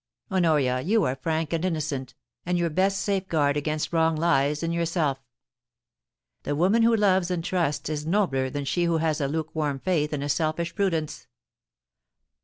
Honoria, you are frank and innocent, and your best safe guard against wrong lies in yourself. The woman who loves and trusts is nobler than she who has a lukewarm faith and a selfish prudence.